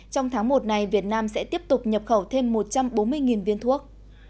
trong tháng một này việt nam sẽ tiếp tục nhập khẩu thêm một trăm bốn mươi viên thuốc